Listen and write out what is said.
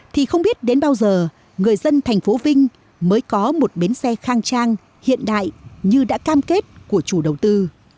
thì không biết đến bao giờ người dân thành phố vinh mới có một bến xe khang trang hiện đại như đã cam kết của chủ đầu tư